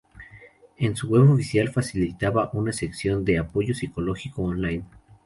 En su web oficial facilitaba una sección de "Apoyo psicológico online".